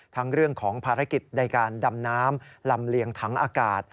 ทั้งเรื่องของภารกิจในการดำน้ำลำเลียงถังอากาศ